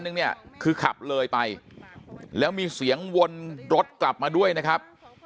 นึงเนี่ยคือขับเลยไปแล้วมีเสียงวนรถกลับมาด้วยนะครับ